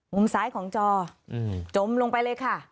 มุมซ้ายของจอจมลงไปเลยค่ะ